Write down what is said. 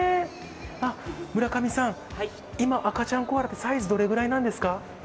村上さん、今赤ちゃんコアラってサイズどれぐらいなんですか。